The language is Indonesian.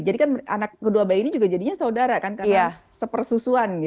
jadi kan anak kedua bayi ini juga jadinya saudara kan karena sepersusuan gitu